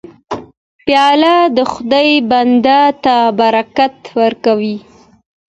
پیاله د خدای بنده ته برکت ورکوي.